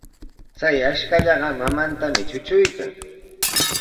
Chay ashkallaqa mamantami trutruykan.